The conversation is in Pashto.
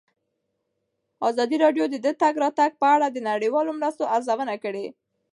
ازادي راډیو د د تګ راتګ ازادي په اړه د نړیوالو مرستو ارزونه کړې.